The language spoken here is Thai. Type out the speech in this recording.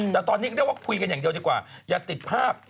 แต่ตอนนี้เรียกว่าคุยกันอย่างเดียวดีกว่า